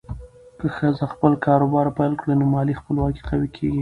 که ښځه خپل کاروبار پیل کړي، نو مالي خپلواکي قوي کېږي.